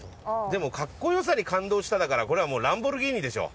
でも「カッコよさに感動した」だからこれはもうランボルギーニでしょ。